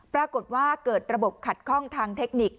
ปรากฏว่าเกิดระบบขัดข้องทางเทคนิค